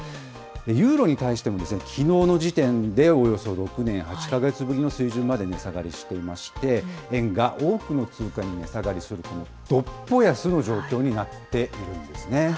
ユーロに対しても、きのうの時点でおよそ６年８か月ぶりの水準まで値下がりしていまして、円が多くの通貨に値下がりする独歩安の状況になっているんですね。